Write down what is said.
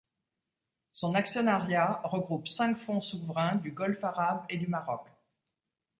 Son actionnariat regroupe cinq fonds souverains du Golfe Arabe et du Maroc.